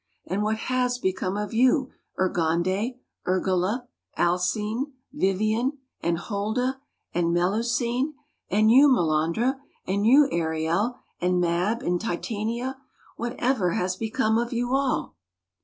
And what has become of you, Urgande, Urgele, Alcine, Vivian, and Holda, and Melusine, and you, Melandra, and you, Ariel, and Mab and Titania? Whatever has become of you all